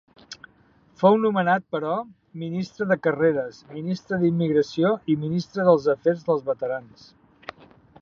Fou nomenat, però, Ministre de Carreres, Ministre d'Immigració i Ministre dels Afers dels Veterans.